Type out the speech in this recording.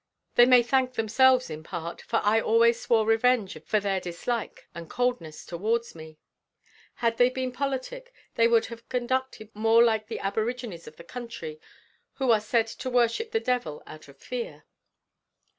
They may thank themselves in part, for I always swore revenge for their dislike and coldness towards me. Had they been politic, they would have conducted more like the aborigines of the country, who are said to worship the devil out of fear.